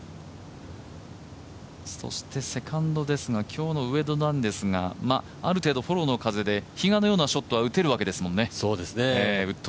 そしてセカンドですが今日なんですがある程度、フォローの風で比嘉のようなショットは打てるわけですよね。